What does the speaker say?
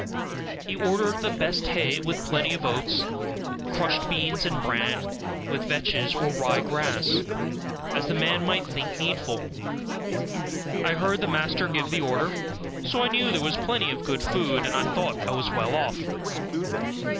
He ordered the best hay with plenty of oats, crushed beans, and bran, with vetches, or rye grass, as the man might think needful. I heard the master give the order, so I knew there was plenty of good food, and I thought I was well off.